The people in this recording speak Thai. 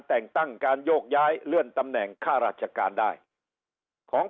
แต่งตั้งการโยกย้ายเลื่อนตำแหน่งค่าราชการได้ของ